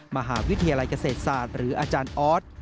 มหาวิทยาลัยเกษตรศาสตร์หรืออาจารย์ออส